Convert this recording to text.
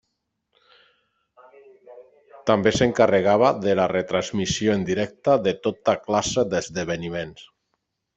També s'encarregava de la retransmissió en directe de tota classe d'esdeveniments.